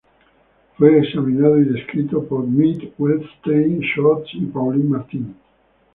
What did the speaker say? Fue examinado y descrito por Mill, Wettstein, Scholz, y Paulin Martin.